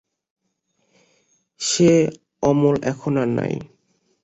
সে অমল এখন আর নাই।